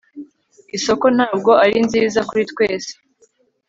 isoko ntabwo ari nziza kuri twese